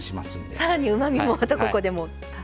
さらにうまみもまたここでも足す。